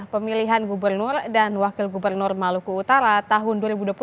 pemilihan gubernur dan wakil gubernur maluku utara tahun dua ribu dua puluh empat